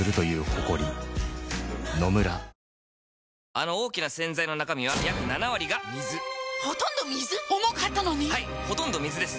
あの大きな洗剤の中身は約７割が水ほとんど水⁉重かったのに⁉はいほとんど水です